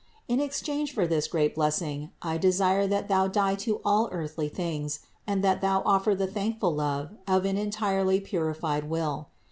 In exchange for this great blessing, I desire that thou die to all earthly things and that thou offer the thankful love of an en tirely purified will.